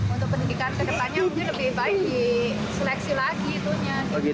untuk pendidikan kekatanya mungkin lebih baik di seleksi lagi